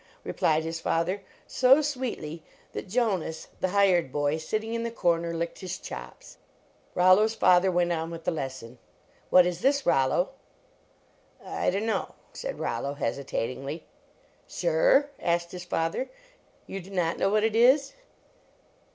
" replied his father, so sweetly that Jonas, the hired boy. sitting in the corner, licked his chops. Rollo s father went on with the lesson : "What is this, Rollo?" "I dunno," said Rollo, hesitatingly. "Sure?" asked his father, "You do nut know what it is?